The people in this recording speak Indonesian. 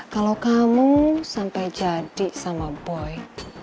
kalau kamu sampai jadi sama boy